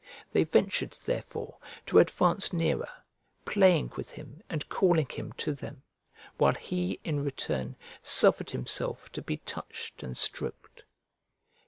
They ventured, therefore, to advance nearer, playing with him and calling him to them, while he, in return, suffered himself to be touched and stroked.